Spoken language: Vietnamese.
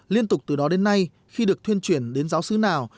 liên tục từ đó đến nay khi được thuyên chuyển đến giáo sứ nào